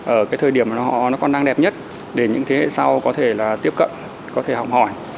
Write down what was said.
ở cái thời điểm mà họ còn đang đẹp nhất để những thế hệ sau có thể là tiếp cận có thể học hỏi